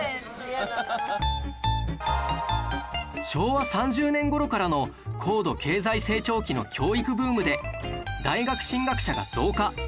昭和３０年頃からの高度経済成長期の教育ブームで大学進学者が増加